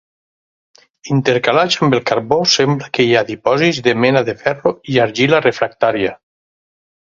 Intercalats amb el carbó sembla que hi ha dipòsits de mena de ferro i argila refractària.